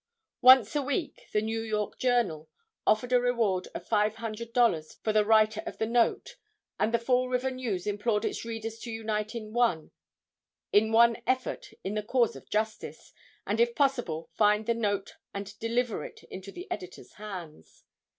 "Once a Week," the New York journal, offered a reward of $500 for the writer of the note, and the Fall River News implored its readers to unite in one effort in the cause of justice, and if possible, find the note and deliver it into the editor's hands.